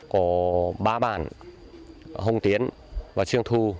có ba bản hùng tiến và trương thu